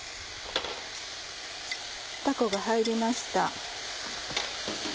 たこが入りました。